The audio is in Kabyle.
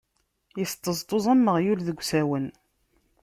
Isṭeẓṭuẓ am uɣyul deg usawen.